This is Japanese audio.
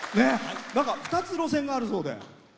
２つ、路線があるそうで。